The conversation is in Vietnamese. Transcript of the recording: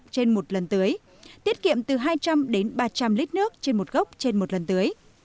trên một lần tưới tiết kiệm từ hai trăm linh đến ba trăm linh lít nước trên một gốc trên một lần tưới